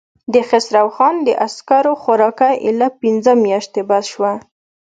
د خسرو خان د عسکرو خوراکه اېله پنځه مياشتې بس شوه.